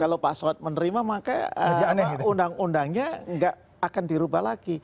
kalau pak soed menerima maka undang undangnya nggak akan dirubah lagi